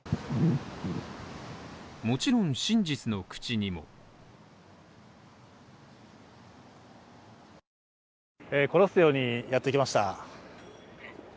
もちろん真実の口にもコロッセオにやってきました。